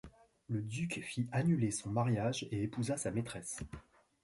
Le duc fit annuler son mariage et épousa sa maîtresse.